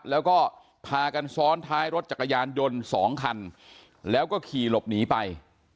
แล้วก็พากันซ้อนท้ายรถจักรยานยนต์๒คันแล้วก็ขี่หลบหนีไป